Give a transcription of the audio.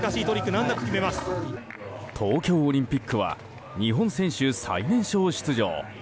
東京オリンピックは日本選手最年少出場。